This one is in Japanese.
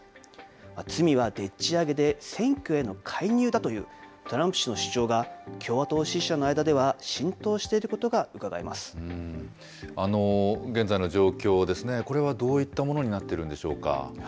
罪はでっちあげで、選挙への介入だというトランプ氏の主張が共和党支持者の間では浸現在の状況ですね、これはどういったものになっているんでしょうか。